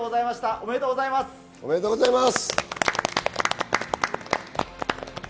おめでとうございます。